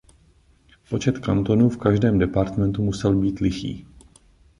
Počet kantonů v každém departmentu musel být lichý.